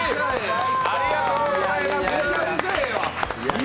ありがとうございます！